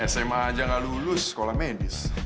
sma aja gak lulus sekolah medis